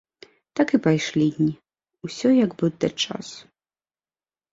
Так і пайшлі дні, усё як бы да часу.